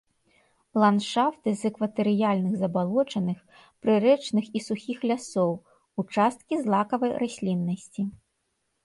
Ландшафты з экватарыяльных забалочаных, прырэчных і сухіх лясоў, участкі злакавай расліннасці.